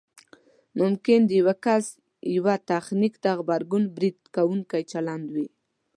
ممکن د یو کس یوه تخنیک ته غبرګون برید کوونکی چلند وي